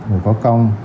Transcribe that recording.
người có công